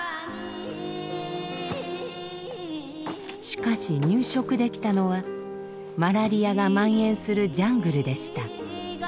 しかし入植できたのはマラリアがまん延するジャングルでした。